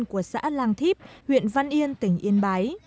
của xã làng thiếp huyện văn yên tỉnh yên bái